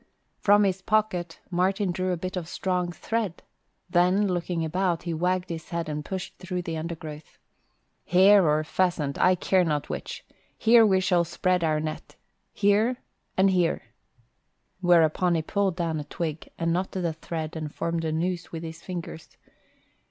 From his pocket Martin drew a bit of strong thread, then, looking about, he wagged his head and pushed through the undergrowth. "Hare or pheasant, I care not which. Here we shall spread our net here and here." Whereupon he pulled down a twig and knotted the thread and formed a noose with his fingers.